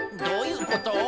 「どういうこと？」